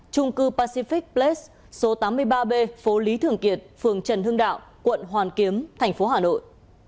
trung cư pacific ples số tám mươi ba b phố lý thường kiệt phường trần hưng đạo quận hoàn kiếm thành phố hà nội